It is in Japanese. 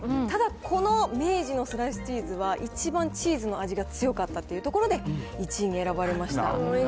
ただ、この明治のスライスチーズは、一番チーズの味が強かったというところで１位に選ばれました。